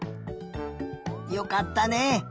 よかったね。